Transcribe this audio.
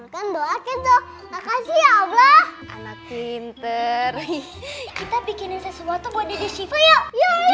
kita bikinin sesuatu buat dede siva yuk